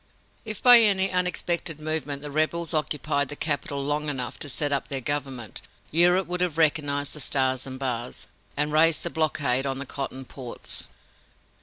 If, by any unexpected movement, the rebels occupied the capital long enough to set up their government, Europe would have recognized the stars and bars, and raised the blockade on the cotton ports.